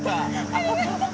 ありがとう。